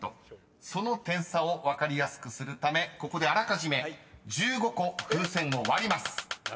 ［その点差を分かりやすくするためここであらかじめ１５個風船を割ります］